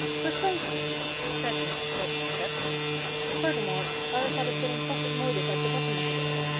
"Precisely," said Miss Phipps Phipps. "Furthermore, ours had a philanthropic motive at the bottom of it all.